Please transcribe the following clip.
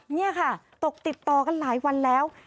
นี่ค่ะตกติดต่อกันหลายวันแล้ว